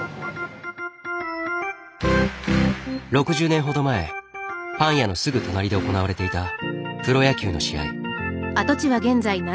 ６０年ほど前パン屋のすぐ隣で行われていたプロ野球の試合。